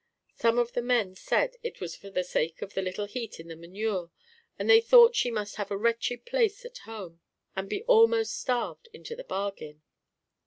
Some of the men said it was for the sake of the little heat in the manure, and they thought she must have a wretched place at home, and be almost starved into the bargain.